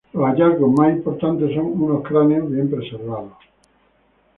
Los hallazgos más importantes son unos cráneos bien preservados.